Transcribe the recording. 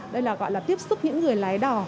đây là gọi là tiếp xúc những người lái đò